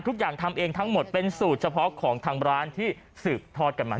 ทำเองทั้งหมดเป็นสูตรเฉพาะของทางร้านที่สืบทอดกันมา